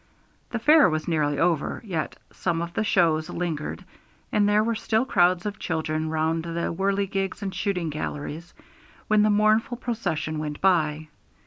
The fair was nearly over, yet some of the shows lingered and there were still crowds of children round the whirligigs and shooting galleries when the mournful procession went by.